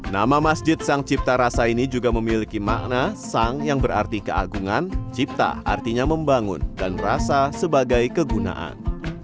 nama masjid sang cipta rasa ini juga memiliki makna sang yang berarti keagungan cipta artinya membangun dan merasa sebagai kegunaan